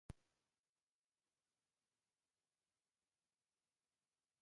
Jismoniy shaxslarning taksichilik qilishiga ruxsat beriladi